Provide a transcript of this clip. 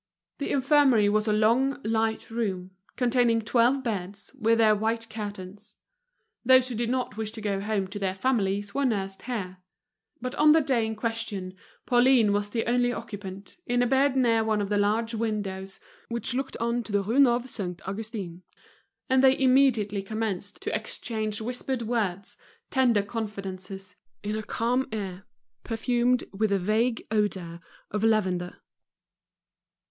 The infirmary was a long, light room, containing twelve beds, with their white curtains. Those who did not wish to go home to their families were nursed here. But on the day in question, Pauline was the only occupant, in a bed near one of the large windows which looked on to the Rue Neuve Saint Augustin. And they immediately commenced to exchange whispered words, tender confidences, in the calm air, perfumed with a vague odor of lavender.